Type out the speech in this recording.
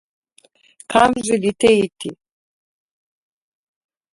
Kam želite iti?